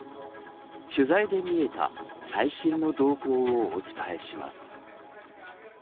取材で見えた最新の動向をお伝えします。